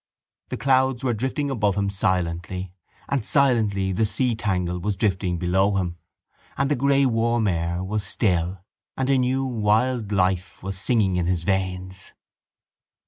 The clouds were drifting above him silently and silently the seatangle was drifting below him and the grey warm air was still and a new wild life was singing in his veins.